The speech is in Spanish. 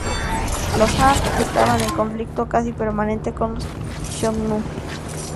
Los Han estaban en conflicto casi permanente con los xiongnu.